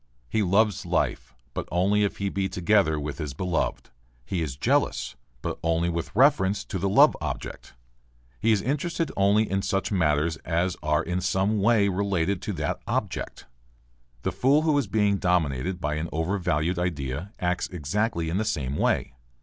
He loves life but only if he be together with his beloved; he is jealous, but only with reference to the love object; he is interested only in such matters as are in some way related to that object. The fool who is being dominated by an overvalued idea acts exactly in the same way.